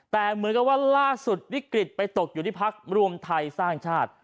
แต่เหมือนกับว่าล่าสุดวิกฤตไปตกอยู่ที่พักรวมไทยสร้างชาติ